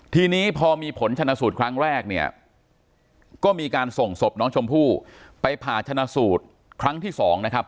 ทีนี้พอมีผลชนะสูตรครั้งแรกเนี่ยก็มีการส่งศพน้องชมพู่ไปผ่าชนะสูตรครั้งที่๒นะครับ